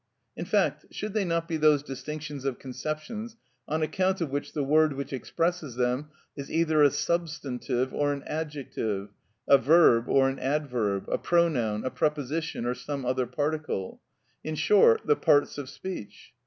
In fact, should they not be those distinctions of conceptions on account of which the word which expresses them is either a substantive or an adjective, a verb or an adverb, a pronoun, a preposition, or some other particle—in short, the parts of speech?